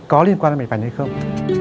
có liên quan đến mảnh vành hay không